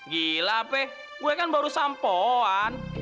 gila peh gua kan baru sampoan